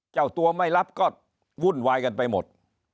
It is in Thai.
เจ้าตัวไม่รับก็วุ่นวายกันไปหมด